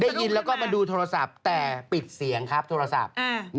ได้ยินแล้วก็มาดูโทรศัพท์แต่ปิดเสียงครับโทรศัพท์